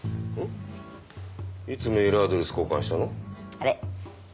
あれ？